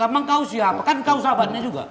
emang kau siapa kan kau sahabatnya juga